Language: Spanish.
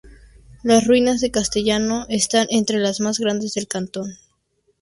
Las ruinas de Castello están entre las más grandes del cantón.